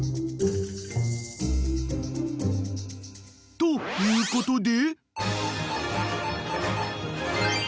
ということで］